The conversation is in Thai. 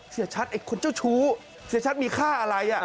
เสียชัตริย์ไอ้คนเจ้าชูเสียชัตริย์มีค่าอะไร